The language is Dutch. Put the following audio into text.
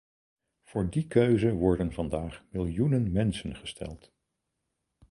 Voor die keuze worden vandaag miljoenen mensen gesteld.